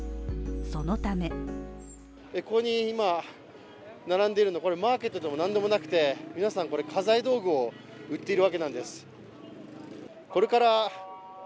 そのためここに今、並んでいるのこれマーケットでも何でもなくて、皆さんこれ家財道具を売っているわけなんです。